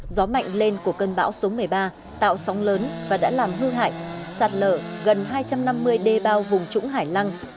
gió mạnh lên của cơn bão số một mươi ba tạo sóng lớn và đã làm hư hại sạt lở gần hai trăm năm mươi đê bao vùng trũng hải lăng